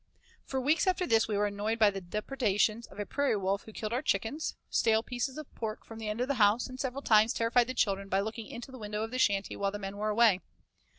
For weeks after this we were annoyed by the depredations of a prairie wolf who killed our chickens, stole pieces of pork from the end of the house, and several times terrified the children by looking into the window of the shanty while the men were away.